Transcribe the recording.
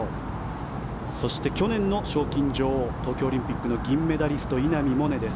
そして、去年の賞金女王東京オリンピック銀メダリストの稲見萌寧です。